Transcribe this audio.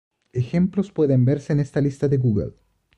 Ejemplos pueden verse en esta lista de Google.